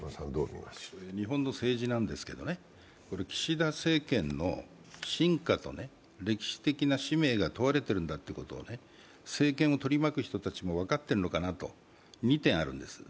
日本の政治なんですけどね、岸田政権の真価と歴史的な使命が問われているんだということを政権を取り巻く人たちも分かってるのかなと２点あるんです